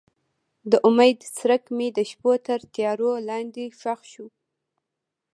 د امید څرک مې د شپو تر تیارو لاندې ښخ شو.